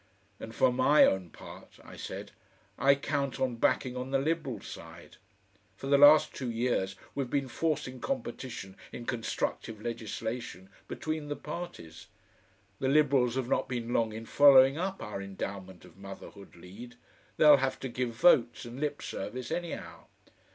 "And for my own part," I said, "I count on backing on the Liberal side. For the last two years we've been forcing competition in constructive legislation between the parties. The Liberals have not been long in following up our Endowment of Motherhood lead. They'll have to give votes and lip service anyhow.